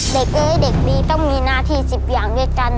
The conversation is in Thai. เอ้ยเด็กดีต้องมีหน้าที่๑๐อย่างด้วยกัน